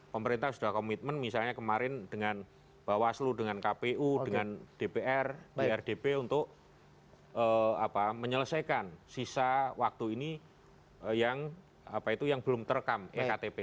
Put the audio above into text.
pemerintah sudah komitmen misalnya kemarin dengan bawaslu dengan kpu dengan dpr di rdp untuk menyelesaikan sisa waktu ini yang belum terekam ektp